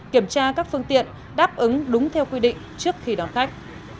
kiểm tra các phương tiện đáp ứng đúng theo quy định trước khi đón khách